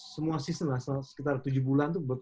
semua season lah sekitar tujuh bulan tuh